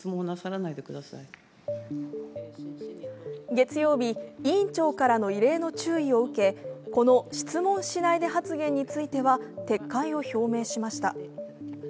月曜日、委員長からの異例の注意を受けこの質問しないで発言については撤回を表明しました。